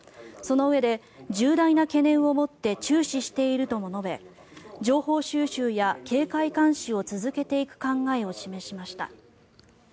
そのうえで、重大な懸念を持って注視しているとも述べ情報収集や警戒監視を続けていく考えを示しました。